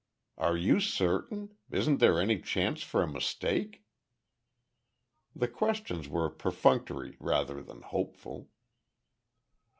"Are you certain? Isn't there any chance for a mistake?" The questions were perfunctory, rather than hopeful.